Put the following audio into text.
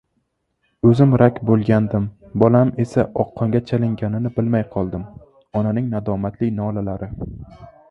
“O‘zim rak bo‘lgandim, bolam esa oqqonga chalinganini bilmay qoldim” - onaning nadomatli nolalari